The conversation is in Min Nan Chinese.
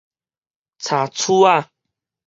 柴厝仔